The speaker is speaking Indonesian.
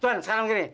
tuan sekarang gini